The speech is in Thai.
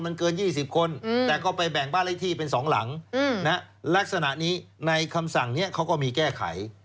มันเกิน๒๐คนแต่ก็ไปแบ่งบ้านเลขที่เป็น๒หลังลักษณะนี้ในคำสั่งนี้เขาก็มีแก้ไข